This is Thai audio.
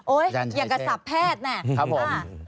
โอ๊ยอย่ากระสับแพทย์แน่